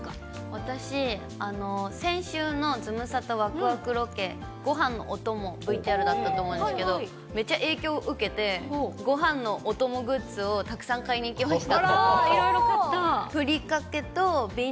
私、先週のズムサタわくわくロケ、ごはんのお供、ＶＴＲだったと思うんですけど、めちゃ影響受けて、ごはんのお供グッズをたくさん買いに行きました。